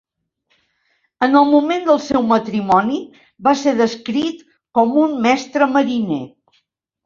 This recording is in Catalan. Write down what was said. En el moment del seu matrimoni va ser descrit com un mestre mariner.